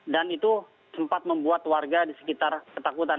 dan itu sempat membuat warga di sekitar ketakutan